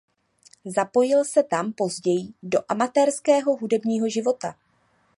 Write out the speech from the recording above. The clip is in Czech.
Zapojil se tam později do amatérského hudebního života.